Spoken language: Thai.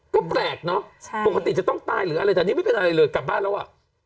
ก็แปลกเนอะปกติจะต้องตายหรืออะไรแต่นี่ไม่เป็นอะไรเลยกลับบ้านแล้วอ่ะ